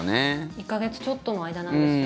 １か月ちょっとの間なんですよ。